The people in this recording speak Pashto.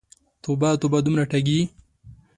توبه، توبه، دومره ټګې!